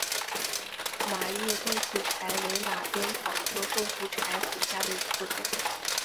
麻叶豆腐柴为马鞭草科豆腐柴属下的一个种。